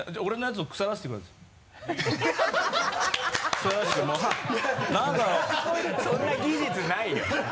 そんな技術ないよ！